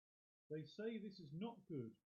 They say this is not good.